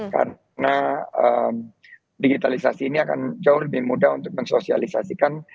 karena digitalisasi ini akan jauh lebih mudah untuk mensosialisasikan